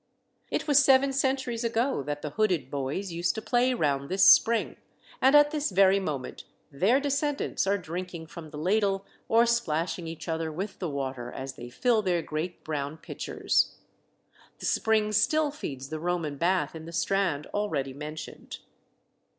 It was seven centuries ago that the hooded boys used to play round this spring, and at this very moment their descendants are drinking from the ladle or splashing each other with the water, as they fill their great brown pitchers. The spring still feeds the Roman Bath in the Strand already mentioned.